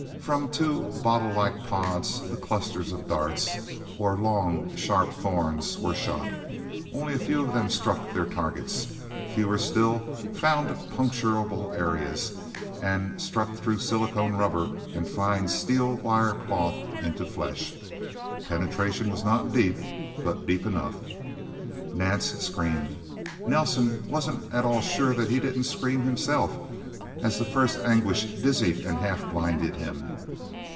From two bottle like pods the clusters of darts or long, sharp thorns were shot. Only a few of them struck their targets. Fewer, still, found puncturable areas and struck through silicone rubber and fine steelwire cloth into flesh. Penetration was not deep, but deep enough. Nance screamed. Nelsen wasn't at all sure that he didn't scream himself as the first anguish dizzied and half blinded him.